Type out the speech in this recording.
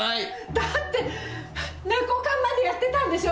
だって猫缶までやってたんでしょ？